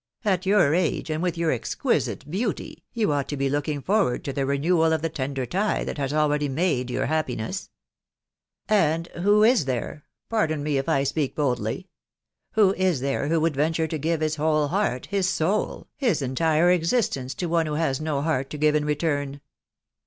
.... At your age, and with your exquisite beauty, you ought to be looking forward to the re newal of the tender tie that has already made your happiness !,.... And who is there .... pardon me if I speak boldly .... who U there who would venture to give his whole heart, his soul, hie entire existence to one who has no heart to give; in return